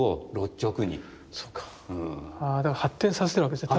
だから発展させてるわけですね。